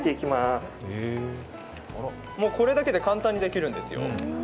これだけで簡単にできるんですよ。